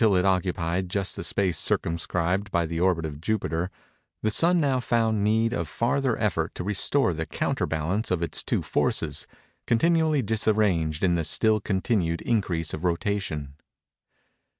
Shrinking still farther, until it occupied just the space circumscribed by the orbit of Jupiter, the Sun now found need of farther effort to restore the counterbalance of its two forces, continually disarranged in the still continued increase of rotation.